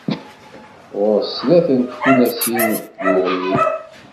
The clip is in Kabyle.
Ɣur-s snat n tfunasin d uɣyul.